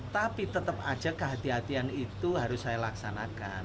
tapi tetap aja kehatian itu harus saya laksanakan